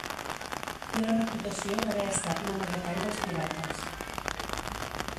Té la reputació d'haver estat un amagatall dels pirates.